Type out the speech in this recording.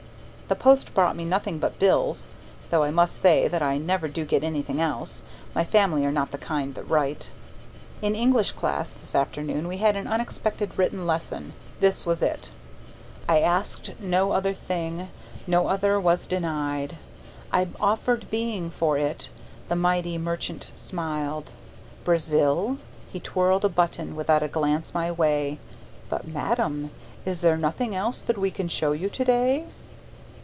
The post brought me nothing but bills (though I must say that I never do get anything else; my family are not the kind that write). In English class this afternoon we had an unexpected written lesson. This was it: I asked no other thing, No other was denied. I offered Being for it; The mighty merchant smiled. Brazil? He twirled a button Without a glance my way: But, madam, is there nothing else That we can show today?